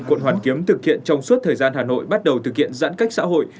quận hoàn kiếm thực hiện trong suốt thời gian hà nội bắt đầu thực hiện giãn cách xã hội